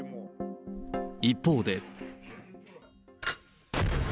一方で。